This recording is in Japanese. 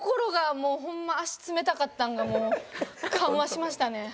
もうホンマ足冷たかったんがもう緩和しましたね。